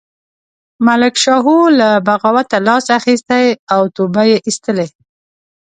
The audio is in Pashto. ملک شاهو له بغاوته لاس اخیستی او توبه یې ایستلې.